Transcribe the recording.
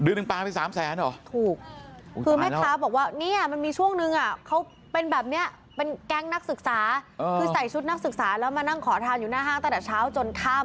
ใช่เดือนนึงปลาไปสามแสนเหรอ